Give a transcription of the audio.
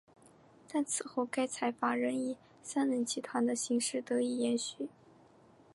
但此后该财阀仍以三菱集团的形式得以延续。